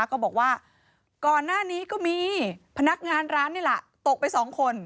ก็บอกว่าก่อนหน้านี้ก็มีพนักงานร้านนี่แหละตกไปสองคน